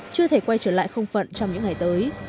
chưa thể quay trở lại không phận trong những ngày tới